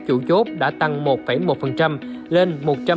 chủ chốt đã tăng một một lên một trăm một mươi một ba nghìn sáu trăm bảy mươi hai